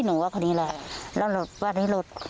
หนูว่าคนนี้แหละแล้วหลุดวันนี้หลุด